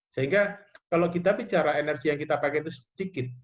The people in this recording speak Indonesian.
sehingga kalau kita bicara energi yang kita pakai itu sedikit